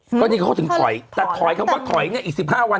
เพราะฉะนั้นเขาก็ถึงถอยถอยเนี่ยอีกสิบห้าวัน